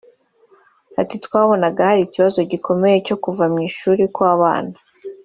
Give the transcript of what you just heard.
Ati “Twabonaga hari ikibazo gikomeye cyo kuva mu ishuri kw’abana